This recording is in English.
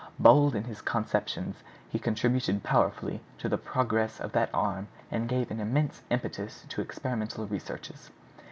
Bold in his conceptions, he contributed powerfully to the progress of that arm and gave an immense impetus to experimental researches.